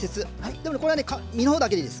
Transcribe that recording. でもねこれは身のほうだけでいいです。